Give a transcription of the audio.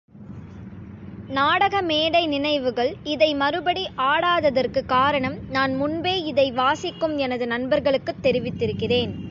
நாடக மேடை நினைவுகள் இதை மறுபடி ஆடாததற்குக் காரணம், நான் முன்பே இதை வாசிக்கும் எனது நண்பர்களுக்குத் தெரிவித்திருக்கிறேன்.